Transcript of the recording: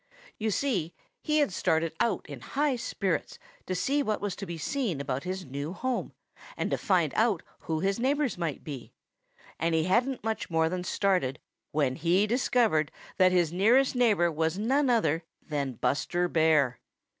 You see, he had started out in high spirits to see what was to be seen about his new home and to find out who his neighbors might be, and he hadn't much more than started when he discovered that his nearest neighbor was none other than Buster Bear.